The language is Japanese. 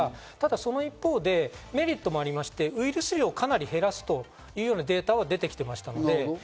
その一方で、メリットもありましてウイルス量をかなり減らすというデータも出てきています。